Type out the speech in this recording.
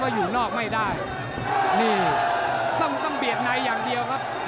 อยู่นอกไม่ได้นี่ต้องต้องเบียดในอย่างเดียวครับ